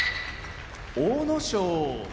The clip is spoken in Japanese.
阿武咲